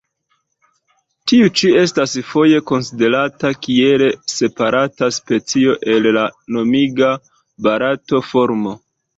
Tiu ĉi estas foje konsiderata kiel separata specio el la nomiga barata formo.